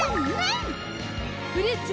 フルーツ！